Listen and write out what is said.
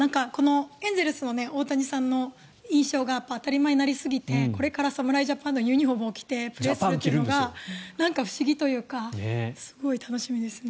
エンゼルスの大谷さんの印象が当たり前になりすぎて、これから侍ジャパンのユニホームを着てプレーするのがなんか不思議というかすごい楽しみですね。